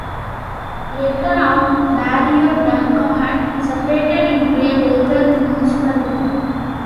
Later on, barrio Dangcagan separated into a regular municipality.